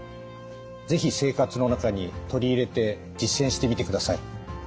是非生活の中に取り入れて実践してみてください。